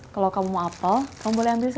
kalau kamu mau apel kamu boleh ambil